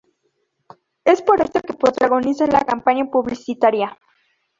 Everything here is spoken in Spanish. Es por eso que protagoniza la campaña publicitaria.